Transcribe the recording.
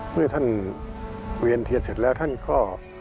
เมื่อท่านเวียนเทียนเสร็จแล้วท่านก็